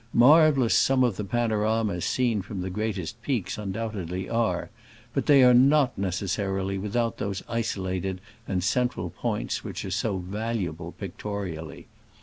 Marvelous some of the panoramas seen from the greatest peaks undoubtedly are, but they are necessarily without those isolated and central points which are so valuable pictorially.